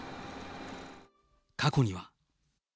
過去には。